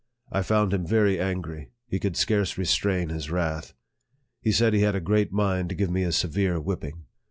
I found him very angry ; he could scarce restrain his wrath. He said he had a great mind to give me a severe whipping.